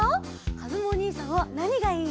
かずむおにいさんはなにがいい？